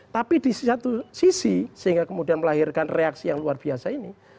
tapi di satu sisi sehingga kemudian melahirkan reaksi yang luar biasa ini